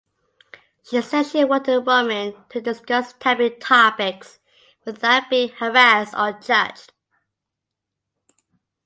She said she wanted women to discuss taboo topics without being harassed or judged.